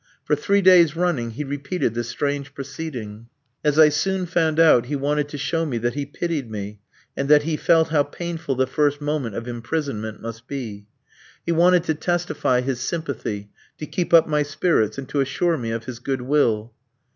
For three days running he repeated this strange proceeding. As I soon found out, he wanted to show me that he pitied me, and that he felt how painful the first moment of imprisonment must be. He wanted to testify his sympathy, to keep up my spirits, and to assure me of his good will.